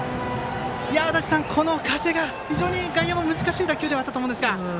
足達さん、この風が外野も難しい打球ではあったと思うんですが。